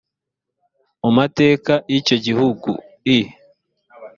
mu mateka y’ icyo gihugui